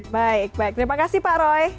baik baik terima kasih pak roy